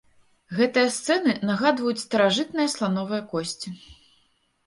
Гэтыя сцэны нагадваюць старажытныя слановыя косці.